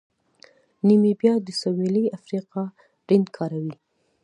نیمیبیا د سویلي افریقا رینډ کاروي.